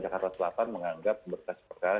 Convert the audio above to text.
jakarta selatan menganggap berkes percaya